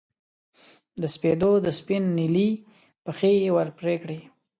د سپېدو د سپین نیلي پښې یې ور پرې کړې